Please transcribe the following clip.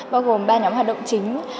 bao gồm ba nhóm hoạt động chính